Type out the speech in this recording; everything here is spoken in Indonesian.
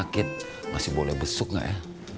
sakit masih boleh besuk gak ya